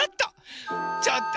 ちょっと。